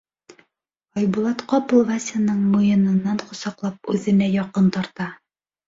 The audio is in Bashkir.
Айбулат ҡапыл Васяның муйынынан ҡосаҡлап үҙенә яҡын тарта.